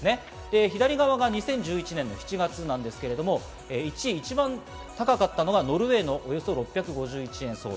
左側が２０１１年７月ですが、１位、一番高かったのがノルウェーのおよそ６５１円です。